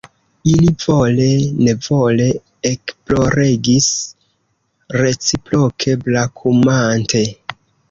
Ili vole nevole ekploregis reciproke brakumante.